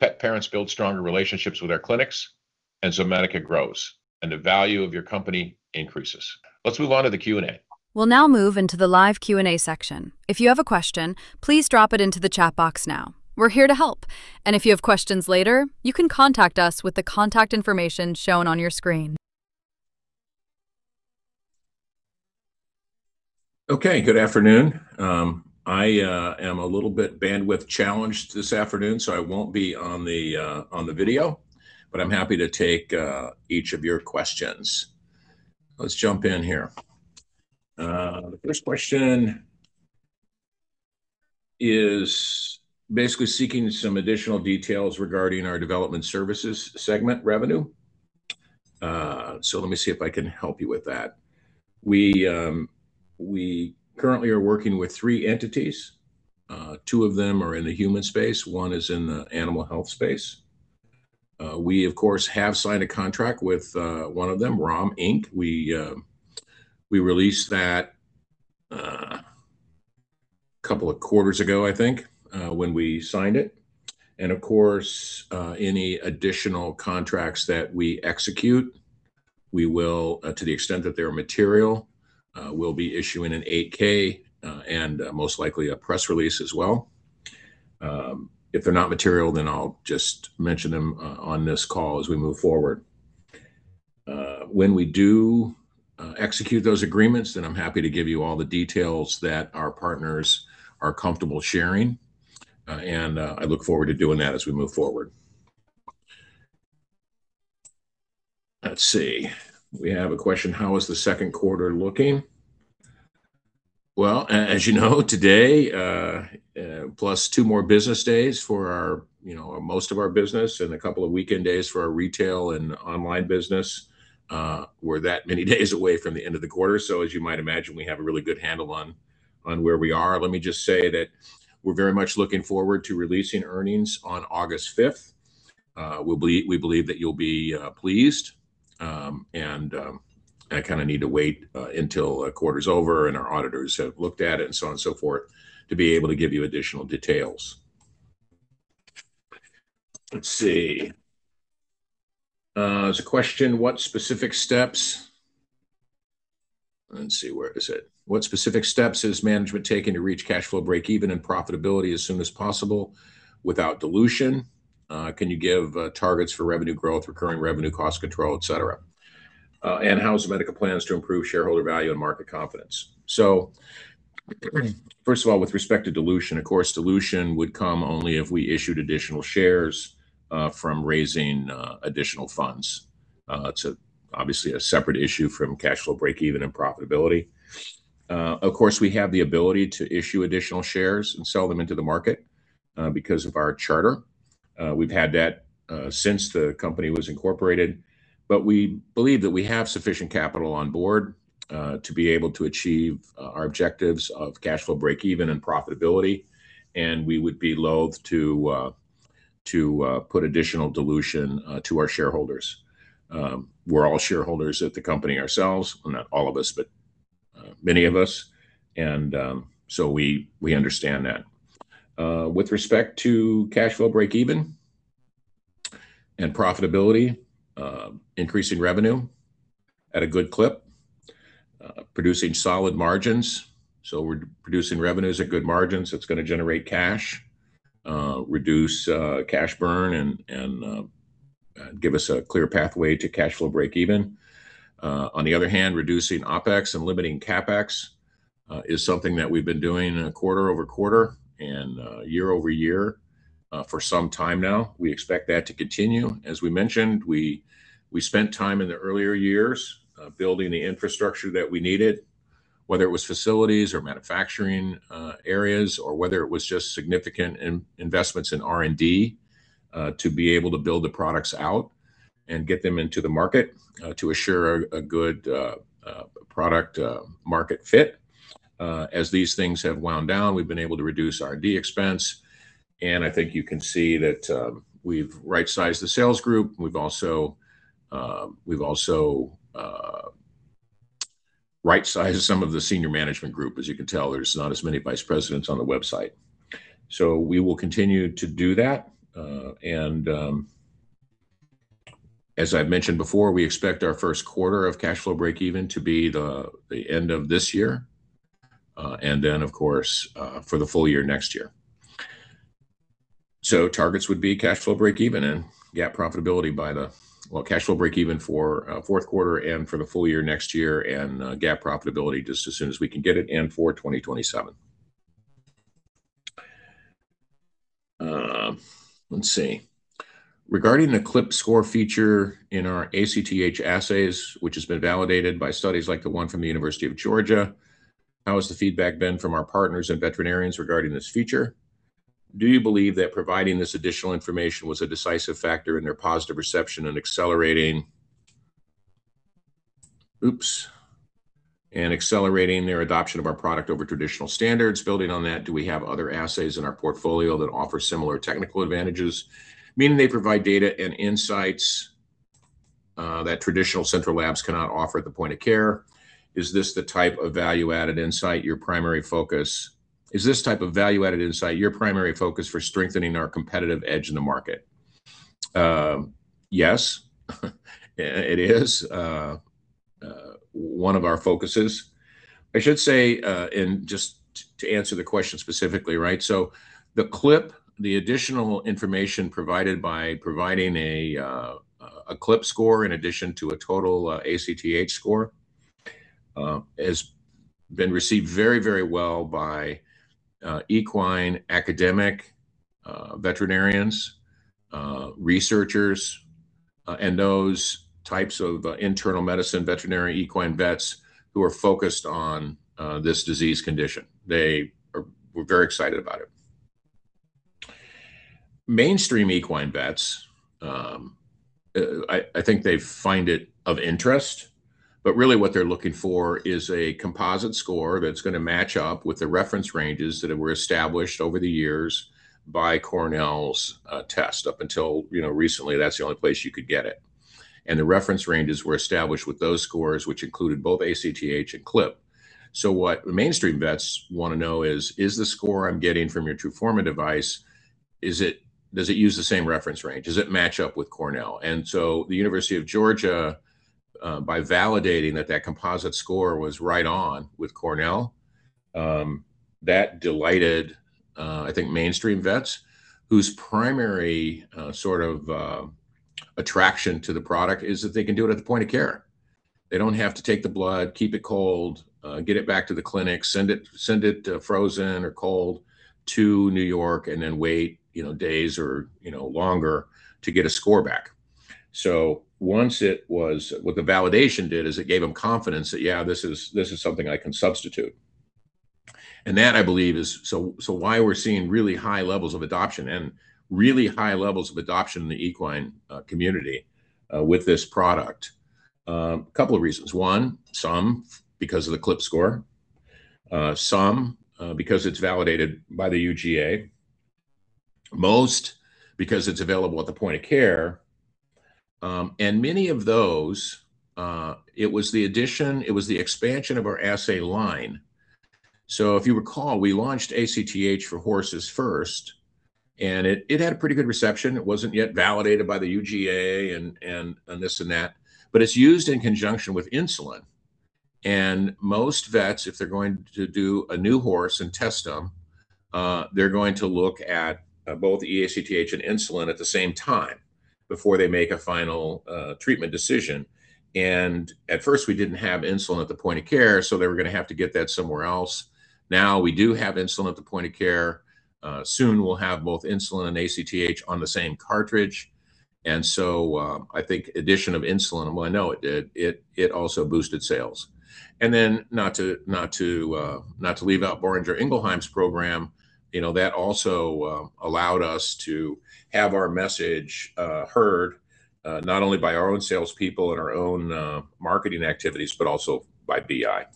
pet parents build stronger relationships with their clinics, and Zomedica grows, and the value of your company increases. Let's move on to the Q&A. We'll now move into the live Q&A section. If you have a question, please drop it into the chat box now. We're here to help. If you have questions later, you can contact us with the contact information shown on your screen. Okay. Good afternoon. I am a little bit bandwidth-challenged this afternoon, so I won't be on the video, but I'm happy to take each of your questions. Let's jump in here. The first question is basically seeking some additional details regarding our development services segment revenue. Let me see if I can help you with that. We currently are working with three entities. Two of them are in the human space. One is in the animal health space. We, of course, have signed a contract with one of them, ROM Inc. We released that a couple of quarters ago, I think, when we signed it. Of course, any additional contracts that we execute, to the extent that they are material, we'll be issuing an 8-K and most likely a press release as well. If they're not material, I'll just mention them on this call as we move forward. When we do execute those agreements, I'm happy to give you all the details that our partners are comfortable sharing, and I look forward to doing that as we move forward. Let's see. We have a question, "How is the second quarter looking?" Well, as you know, today, plus two more business days for most of our business and a couple of weekend days for our retail and online business, we're that many days away from the end of the quarter. As you might imagine, we have a really good handle on where we are. Let me just say that we're very much looking forward to releasing earnings on August 5th. We believe that you'll be pleased. I kind of need to wait until a quarter's over and our auditors have looked at it and so on and so forth to be able to give you additional details. Let's see. There's a question, "What specific steps" Let me see. Where is it? "What specific steps has management taken to reach cash flow breakeven and profitability as soon as possible without dilution? Can you give targets for revenue growth, recurring revenue, cost control, et cetera? How does Zomedica plan to improve shareholder value and market confidence?" First of all, with respect to dilution, of course, dilution would come only if we issued additional shares from raising additional funds. It's obviously a separate issue from cash flow breakeven and profitability. Of course, we have the ability to issue additional shares and sell them into the market because of our charter. We've had that since the company was incorporated. We believe that we have sufficient capital on board to be able to achieve our objectives of cash flow breakeven and profitability. We would be loath to put additional dilution to our shareholders. We're all shareholders at the company ourselves. Not all of us, but many of us, we understand that. With respect to cash flow breakeven and profitability, increasing revenue at a good clip, producing solid margins. We're producing revenues at good margins, that's going to generate cash, reduce cash burn, and give us a clear pathway to cash flow breakeven. On the other hand, reducing OpEx and limiting CapEx is something that we've been doing quarter-over-quarter and year-over-year for some time now. We expect that to continue. As we mentioned, we spent time in the earlier years building the infrastructure that we needed, whether it was facilities or manufacturing areas or whether it was just significant investments in R&D to be able to build the products out and get them into the market to assure a good product market fit. As these things have wound down, we've been able to reduce R&D expense. I think you can see that we've right-sized the sales group. We've also right-sized some of the senior management group. As you can tell, there's not as many vice presidents on the website. We will continue to do that. As I've mentioned before, we expect our first quarter of cash flow breakeven to be the end of this year, then of course, for the full year next year. Targets would be cash flow breakeven and GAAP profitability. Cash flow breakeven for fourth quarter and for the full year next year and GAAP profitability just as soon as we can get it and for 2027. Let's see. "Regarding the CLIP score feature in our ACTH assays, which has been validated by studies like the one from the University of Georgia, how has the feedback been from our partners and veterinarians regarding this feature? Do you believe that providing this additional information was a decisive factor in their positive reception and accelerating their adoption of our product over traditional standards? Building on that, do we have other assays in our portfolio that offer similar technical advantages, meaning they provide data and insights that traditional central labs cannot offer at the point of care? Is this type of value-added insight your primary focus for strengthening our competitive edge in the market?" Yes, it is one of our focuses. I should say, just to answer the question specifically, right? The CLIP, the additional information provided by providing a CLIP score in addition to a total ACTH score, has been received very well by equine academic veterinarians, researchers, and those types of internal medicine veterinary equine vets who are focused on this disease condition. They were very excited about it. Mainstream equine vets, I think they find it of interest, but really what they're looking for is a composite score that's going to match up with the reference ranges that were established over the years by Cornell's test. Up until recently, that's the only place you could get it. The reference ranges were established with those scores, which included both ACTH and CLIP. What mainstream vets want to know is the score I'm getting from your TRUFORMA device, does it use the same reference range? Does it match up with Cornell? The University of Georgia, by validating that that composite score was right on with Cornell, that delighted, I think, mainstream vets whose primary sort of attraction to the product is that they can do it at the point of care. They don't have to take the blood, keep it cold, get it back to the clinic, send it frozen or cold to New York, and then wait days or longer to get a score back. What the validation did is it gave them confidence that, "Yeah, this is something I can substitute." That, I believe, is why we're seeing really high levels of adoption in the equine community with this product. Couple of reasons. One, some because of the CLIP score, some because it's validated by the UGA, most because it's available at the point of care. Many of those, it was the expansion of our assay line. If you recall, we launched ACTH for horses first, and it had pretty good reception. It wasn't yet validated by the UGA on this and that, but it's used in conjunction with insulin. Most vets, if they're going to do a new horse and test them, they're going to look at both eACTH and insulin at the same time before they make a final treatment decision. At first, we didn't have insulin at the point of care, so they were going to have to get that somewhere else. Now we do have insulin at the point of care. Soon we'll have both insulin and ACTH on the same cartridge. I think addition of insulin, well, I know it did. It also boosted sales. Then not to leave out Boehringer Ingelheim's program, that also allowed us to have our message heard, not only by our own salespeople and our own marketing activities, but also by BI.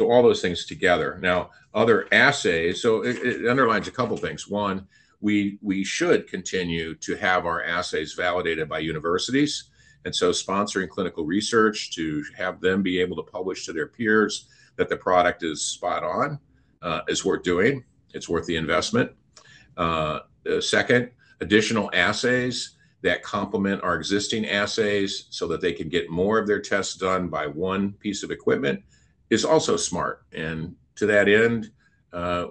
All those things together. Now, other assays. It underlines a couple things. One, we should continue to have our assays validated by universities, sponsoring clinical research to have them be able to publish to their peers that the product is spot on is worth doing. It's worth the investment. Second, additional assays that complement our existing assays so that they can get more of their tests done by one piece of equipment is also smart. To that end,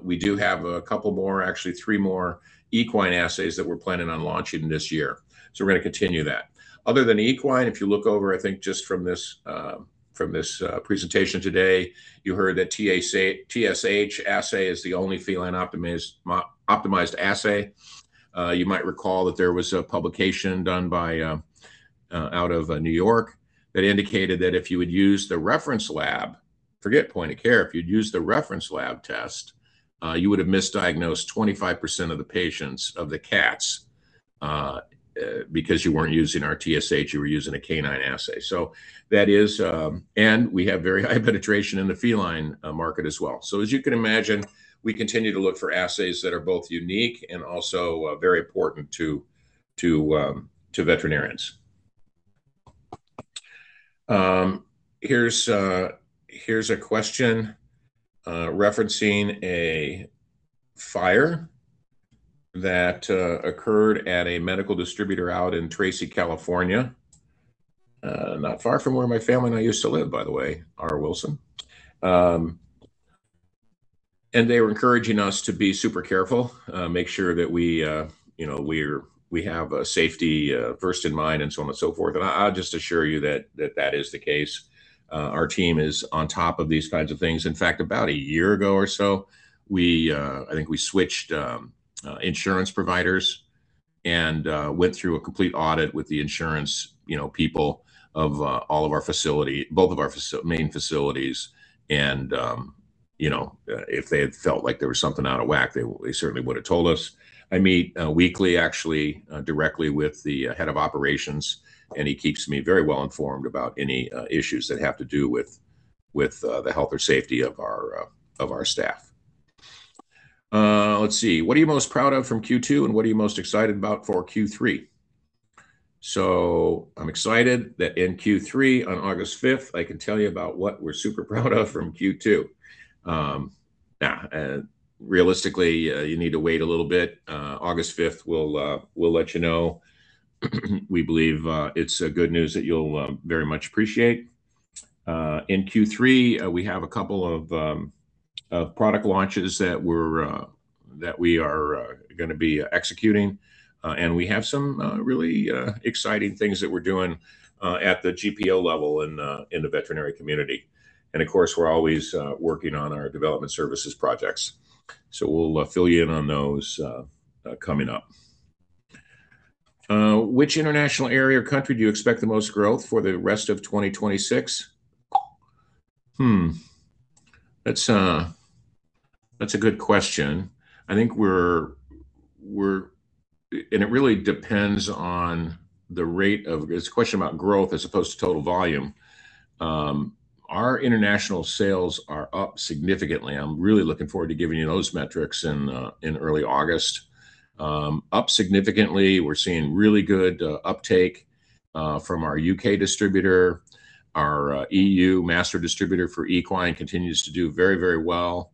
we do have a couple more, actually three more equine assays that we're planning on launching this year. We're going to continue that. Other than equine, if you look over, I think just from this presentation today, you heard that TSH assay is the only feline-optimized assay. You might recall that there was a publication done out of New York that indicated that if you would use the reference lab, forget point of care, if you'd use the reference lab test, you would have misdiagnosed 25% of the patients of the cats, because you weren't using our TSH, you were using a canine assay. We have very high penetration in the feline market as well. As you can imagine, we continue to look for assays that are both unique and also very important to veterinarians. Here's a question referencing a fire that occurred at a medical distributor out in Tracy, California. Not far from where my family and I used to live, by the way, R. Wilson. They were encouraging us to be super careful, make sure that we have safety first in mind and so on and so forth. I'll just assure you that is the case. Our team is on top of these kinds of things. In fact, about a year ago or so, I think we switched insurance providers and went through a complete audit with the insurance people of both of our main facilities. If they had felt like there was something out of whack, they certainly would've told us. I meet weekly, actually, directly with the head of operations. He keeps me very well informed about any issues that have to do with the health or safety of our staff. Let's see. What are you most proud of from Q2, and what are you most excited about for Q3? I'm excited that in Q3, on August 5th, I can tell you about what we're super proud of from Q2. Realistically, you need to wait a little bit. August 5th, we'll let you know. We believe it's good news that you'll very much appreciate. In Q3, we have a couple of product launches that we are going to be executing. We have some really exciting things that we're doing at the GPO level in the veterinary community. Of course, we're always working on our development services projects. We'll fill you in on those coming up. Which international area or country do you expect the most growth for the rest of 2026? That's a good question. It really depends on the rate of it's a question about growth as opposed to total volume. Our international sales are up significantly. I'm really looking forward to giving you those metrics in early August. Up significantly. We're seeing really good uptake from our U.K. distributor. Our EU master distributor for equine continues to do very well.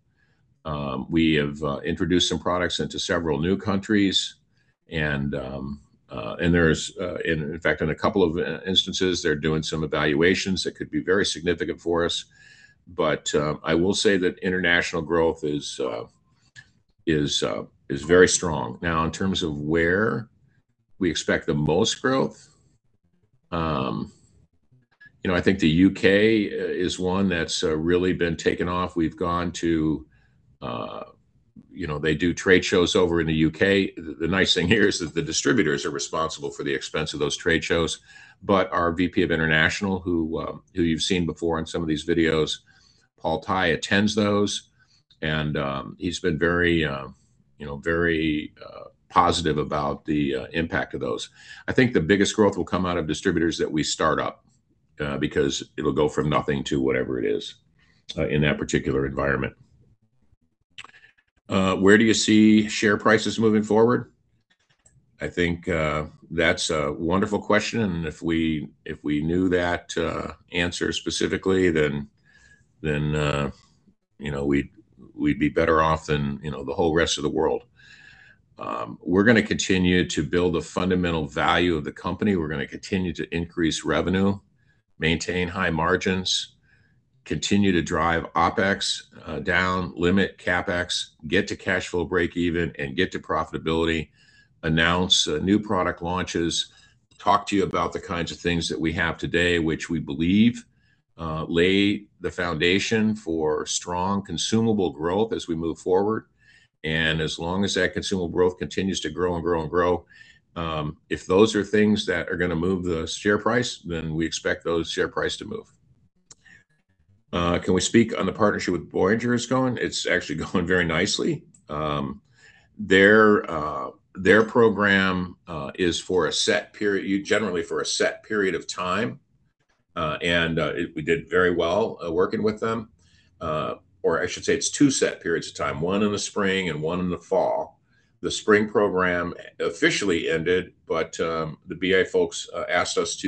We have introduced some products into several new countries, and in fact, in a couple of instances, they're doing some evaluations that could be very significant for us. I will say that international growth is very strong. In terms of where we expect the most growth, I think the U.K. is one that's really been taking off. They do trade shows over in the U.K. The nice thing here is that the distributors are responsible for the expense of those trade shows. Our VP of international, who you've seen before on some of these videos, Paul Tai, attends those. He's been very positive about the impact of those. I think the biggest growth will come out of distributors that we start up, because it'll go from nothing to whatever it is in that particular environment. Where do you see share prices moving forward? I think that's a wonderful question. If we knew that answer specifically, then we'd be better off than the whole rest of the world. We're going to continue to build the fundamental value of the company. We're going to continue to increase revenue, maintain high margins, continue to drive OpEx down, limit CapEx, get to cash flow breakeven, and get to profitability, announce new product launches, talk to you about the kinds of things that we have today, which we believe lay the foundation for strong consumable growth as we move forward. As long as that consumable growth continues to grow and grow, if those are things that are going to move the share price, then we expect those share price to move. Can we speak on the partnership with Boehringer is going? It's actually going very nicely. Their program is generally for a set period of time, and we did very well working with them. I should say it's two set periods of time, one in the spring and one in the fall. The spring program officially ended, the BI folks asked us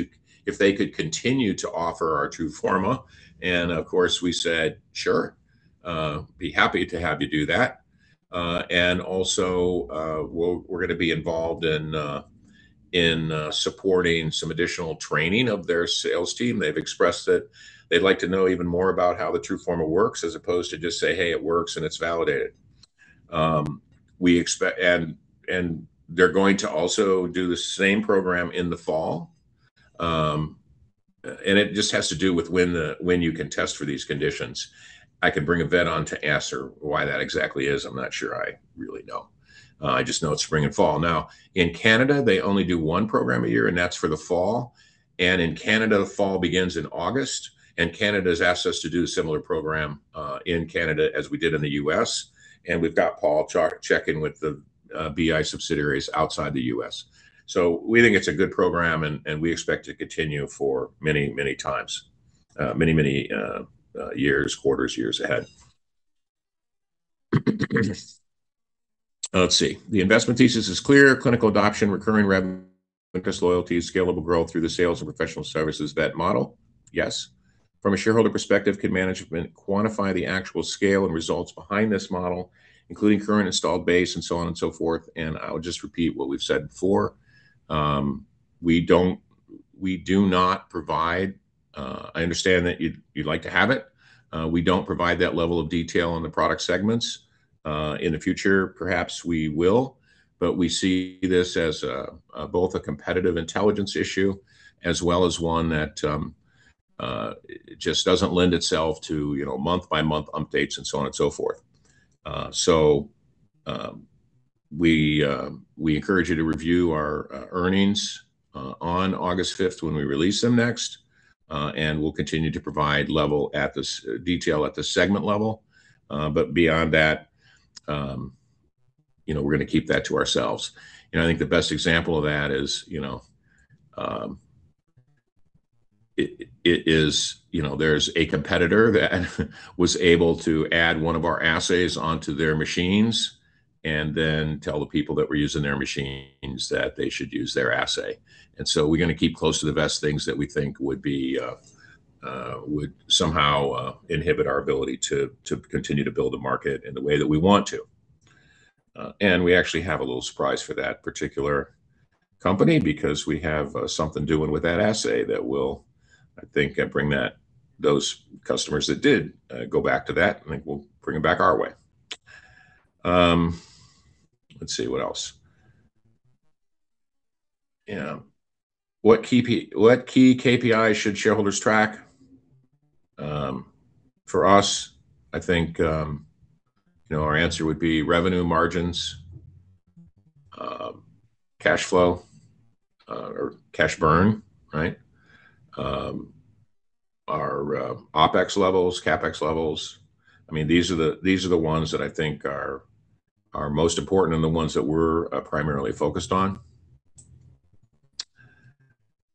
if they could continue to offer our TRUFORMA, and of course, we said, "Sure. Be happy to have you do that." Also, we're going to be involved in supporting some additional training of their sales team. They've expressed that they'd like to know even more about how the TRUFORMA works as opposed to just say, "Hey, it works, and it's validated." They're going to also do the same program in the fall. It just has to do with when you can test for these conditions. I could bring a vet on to answer why that exactly is. I'm not sure I really know. I just know it's spring and fall. Now, in Canada, they only do one program a year, and that's for the fall. In Canada, the fall begins in August, and Canada's asked us to do a similar program in Canada as we did in the U.S. We've got Paul checking with the BI subsidiaries outside the U.S. We think it's a good program, and we expect to continue for many times, many years, quarters, years ahead. Let's see. "The investment thesis is clear. Clinical adoption, recurring revenue, increased loyalty, scalable growth through the sales and professional services vet model." Yes. "From a shareholder perspective, can management quantify the actual scale and results behind this model, including current installed base and so on and so forth?" I'll just repeat what we've said before. I understand that you'd like to have it. We don't provide that level of detail on the product segments. In the future, perhaps we will, we see this as both a competitive intelligence issue as well as one that just doesn't lend itself to month-by-month updates and so on and so forth. We encourage you to review our earnings on August 5th when we release them next. We'll continue to provide detail at the segment level. Beyond that, we're going to keep that to ourselves. I think the best example of that is there's a competitor that was able to add one of our assays onto their machines and then tell the people that were using their machines that they should use their assay. We're going to keep close to the vest things that we think would somehow inhibit our ability to continue to build a market in the way that we want to. We actually have a little surprise for that particular company because we have something doing with that assay that will, I think, bring those customers that did go back to that, I think we'll bring them back our way. Let's see, what else? "What key KPIs should shareholders track?" For us, I think our answer would be revenue margins, cash flow, or cash burn. Right? Our OpEx levels, CapEx levels. These are the ones that I think are most important and the ones that we're primarily focused on.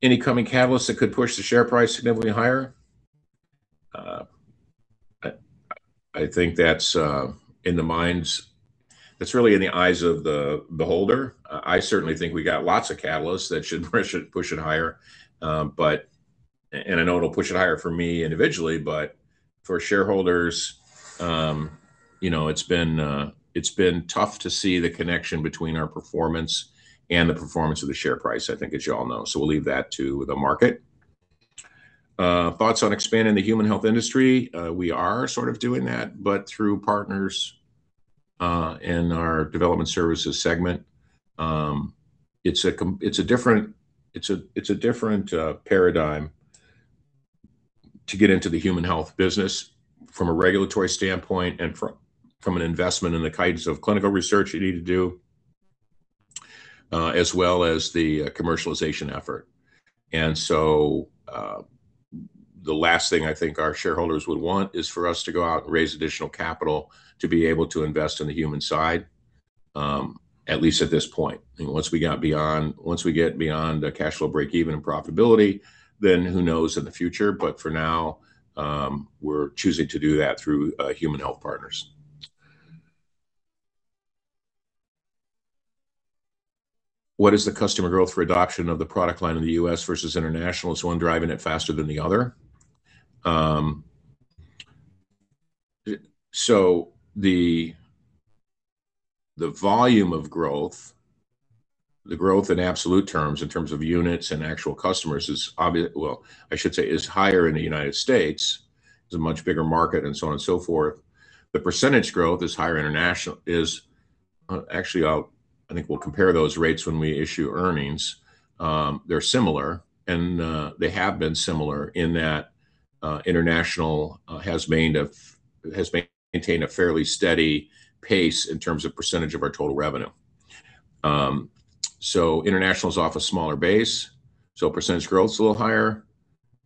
"Any coming catalysts that could push the share price significantly higher?" I think that's really in the eyes of the beholder. I certainly think we got lots of catalysts that should push it higher. I know it'll push it higher for me individually, but for shareholders, it's been tough to see the connection between our performance and the performance of the share price, I think, as you all know. We'll leave that to the market. "Thoughts on expanding the human health industry?" We are sort of doing that, but through partners in our development services segment. It's a different paradigm to get into the human health business from a regulatory standpoint and from an investment in the kinds of clinical research you need to do, as well as the commercialization effort. The last thing I think our shareholders would want is for us to go out and raise additional capital to be able to invest in the human side, at least at this point. Once we get beyond the cash flow breakeven and profitability, who knows in the future. But for now, we're choosing to do that through human health partners. "What is the customer growth for adoption of the product line in the U.S. versus international? Is one driving it faster than the other?" The volume of growth, the growth in absolute terms in terms of units and actual customers is, well, I should say, is higher in the United States. It's a much bigger market and so on and so forth. The percentage growth is higher international. Actually, I think we'll compare those rates when we issue earnings. They're similar, and they have been similar in that international has maintained a fairly steady pace in terms of percentage of our total revenue. International is off a smaller base, so percentage growth's a little higher,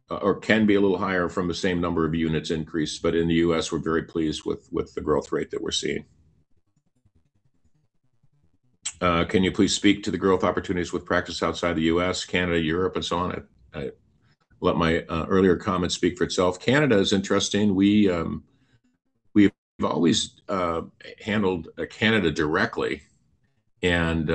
or can be a little higher from the same number of units increase. But in the U.S., we're very pleased with the growth rate that we're seeing. "Can you please speak to the growth opportunities with practice outside the U.S., Canada, Europe, and so on?" I let my earlier comment speak for itself. Canada is interesting. We've always handled Canada directly, and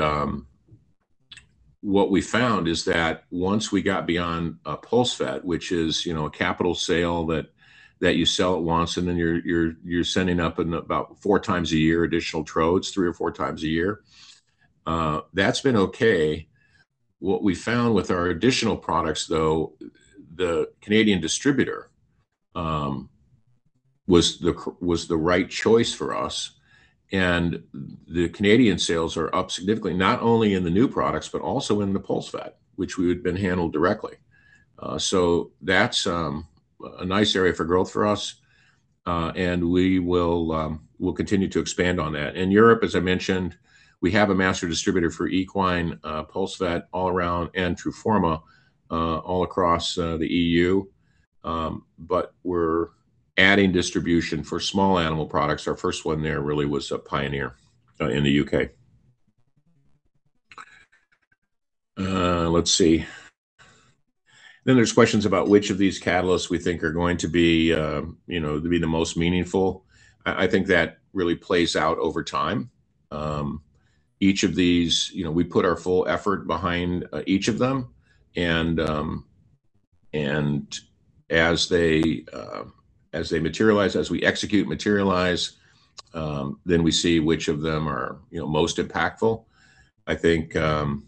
what we found is that once we got beyond PulseVet, which is a capital sale that you sell it once and then you're sending up about four times a year additional trodes, three or four times a year. That's been okay. What we found with our additional products, though, the Canadian distributor was the right choice for us, and the Canadian sales are up significantly, not only in the new products, but also in the PulseVet, which we had been handled directly. That's a nice area for growth for us, and we'll continue to expand on that. Europe, as I mentioned, we have a master distributor for Equine, PulseVet, All Around, and TRUFORMA all across the EU. We're adding distribution for small animal products. Our first one there really was Pioneer in the U.K. Let's see. There's questions about which of these catalysts we think are going to be the most meaningful. I think that really plays out over time. Each of these, we put our full effort behind each of them, and as they materialize, as we execute, materialize, then we see which of them are most impactful. In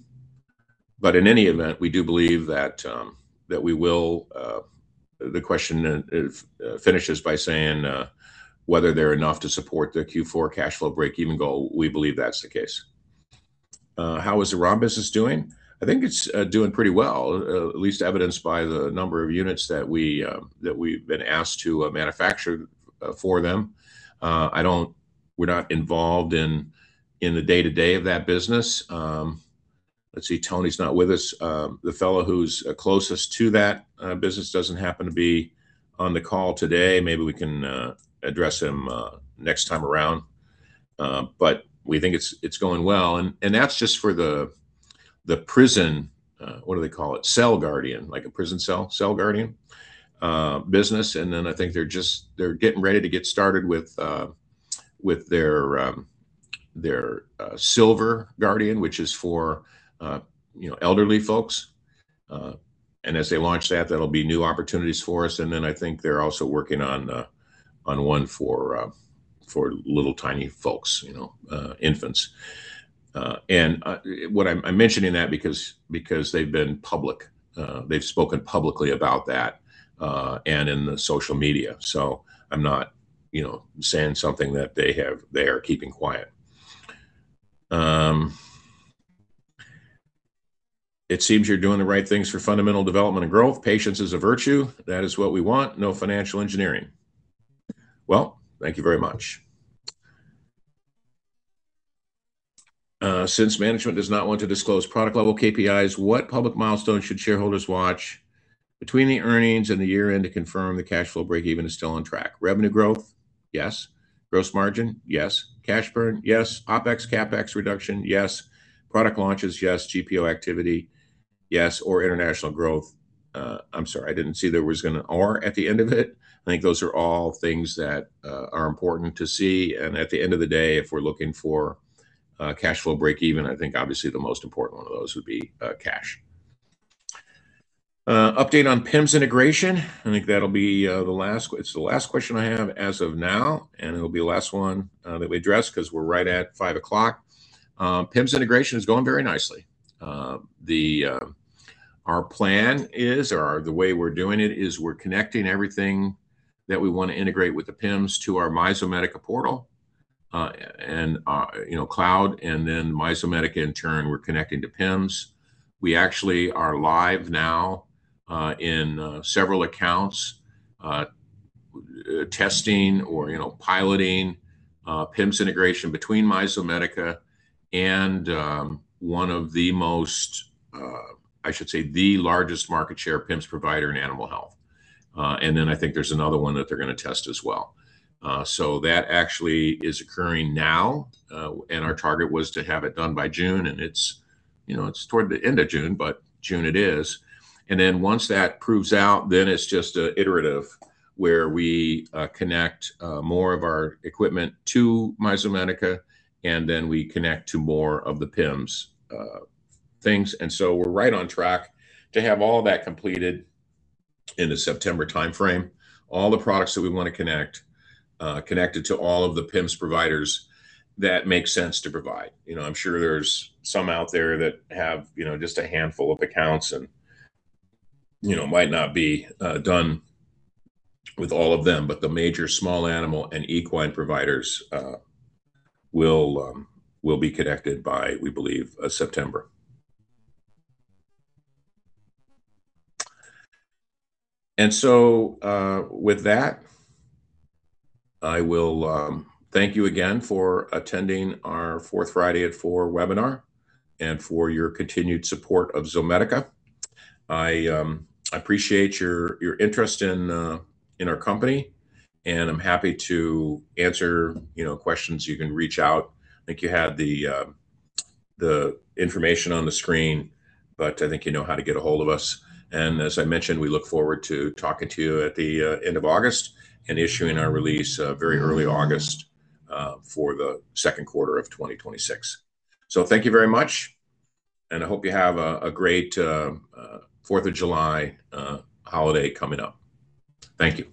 any event, we do believe that we will. The question finishes by saying whether they're enough to support their Q4 cash flow breakeven goal. We believe that's the case. How is the ROM business doing?" I think it's doing pretty well, at least evidenced by the number of units that we've been asked to manufacture for them. We're not involved in the day-to-day of that business. Let's see. Tony's not with us. The fellow who's closest to that business doesn't happen to be on the call today. Maybe we can address him next time around, but we think it's going well. That's just for the prison, what do they call it? Cell-Guardian, like a prison cell, Cell-Guardian business. Then I think they're getting ready to get started with their Silver-Guardian, which is for elderly folks. As they launch that'll be new opportunities for us. Then I think they're also working on one for little tiny folks, infants. I'm mentioning that because they've been public. They've spoken publicly about that, and in the social media. I'm not saying something that they are keeping quiet. "It seems you're doing the right things for fundamental development and growth. Patience is a virtue. That is what we want. No financial engineering." Thank you very much. "Since management does not want to disclose product-level KPIs, what public milestones should shareholders watch between the earnings and the year-end to confirm the cash flow breakeven is still on track? Revenue growth?" Yes. "Gross margin?" Yes. "Cash burn?" Yes. "OpEx, CapEx reduction?" Yes. "Product launches?" Yes. "GPO activity?" Yes. "International growth?" I'm sorry, I didn't see there was going to or at the end of it. I think those are all things that are important to see, and at the end of the day, if we're looking for cash flow breakeven, I think obviously the most important one of those would be cash. "Update on PIMS integration?" I think that'll be the last. It's the last question I have as of now, and it'll be the last one that we address because we're right at five o'clock. PIMS integration is going very nicely. Our plan is, or the way we're doing it is we're connecting everything that we want to integrate with the PIMS to our My Zomedica portal, and cloud, and then My Zomedica in turn, we're connecting to PIMS. We actually are live now in several accounts testing or piloting PIMS integration between My Zomedica and one of the most, I should say, the largest market share PIMS provider in animal health. I think there's another one that they're going to test as well. That actually is occurring now. Our target was to have it done by June, and it's toward the end of June, but June it is. Once that proves out, it's just an iterative where we connect more of our equipment to My Zomedica, and then we connect to more of the PIMS things. We're right on track to have all that completed in the September timeframe. All the products that we want to connect, connected to all of the PIMS providers that make sense to provide. I'm sure there's some out there that have just a handful of accounts and might not be done with all of them, but the major small animal and equine providers will be connected by, we believe, September. With that, I will thank you again for attending our Fourth Friday at Four webinar and for your continued support of Zomedica. I appreciate your interest in our company, and I'm happy to answer questions. You can reach out. I think you had the information on the screen, but I think you know how to get ahold of us. As I mentioned, we look forward to talking to you at the end of August and issuing our release very early August for the second quarter of 2026. Thank you very much, and I hope you have a great July 4th holiday coming up. Thank you.